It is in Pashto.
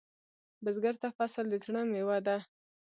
بزګر ته فصل د زړۀ میوه ده